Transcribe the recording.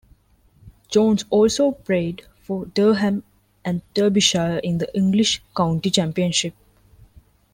Jones also played for Durham and Derbyshire in the English County Championship.